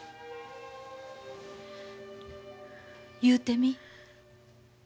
言うてみ。